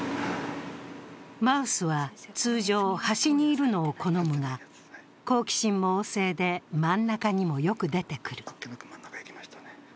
マウスは通常、端にいるのを好むが、好奇心も旺盛で、真ん中にもよく出てくる。